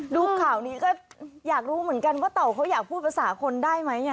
ดูข่าวนี้ก็อยากรู้เหมือนกันว่าเต่าเขาอยากพูดภาษาคนได้ไหม